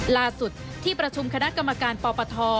ล่าสุดที่ประชุมคณะกรรมการปปท